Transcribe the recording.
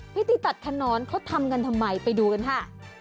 พิธีตัดขนอนเขาทำกันทำไมไปดูกันค่ะ